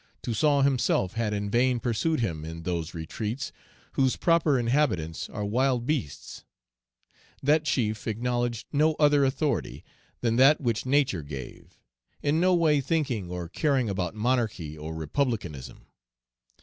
Toussaint himself had in vain pursued him in those retreats whose proper inhabitants are wild beasts; that chief acknowledged no other authority than that which Nature gave, in no way thinking or caring about monarchy or republicanism.